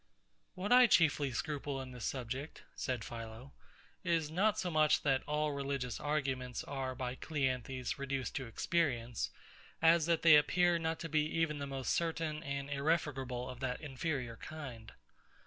What I chiefly scruple in this subject, said PHILO, is not so much that all religious arguments are by CLEANTHES reduced to experience, as that they appear not to be even the most certain and irrefragable of that inferior kind.